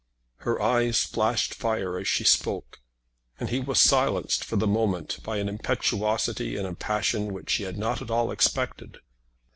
Her eyes flashed fire as she spoke, and he was silenced for the moment by an impetuosity and a passion which he had not at all expected.